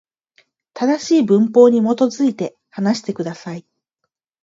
正しい文法に基づいて、話してください。